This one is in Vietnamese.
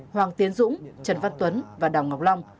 hoàng tiến dũng trần văn tuấn và đào ngọc long